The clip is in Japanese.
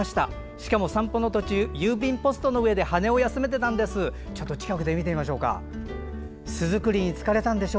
しかも散歩の途中郵便ポストの上で羽を休めていたんです。